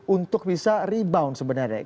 untuk bisa rebound sebenarnya